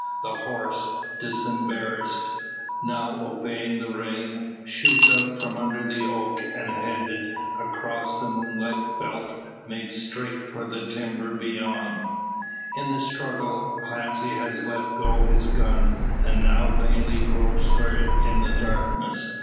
The horse, disembarrassed, now obeying the rein, shoots out from under the oak, and headed across the moonlit belt makes straight for the timber beyond. In the struggle Clancy has let go his gun, and now vainly gropes for it in the darkness.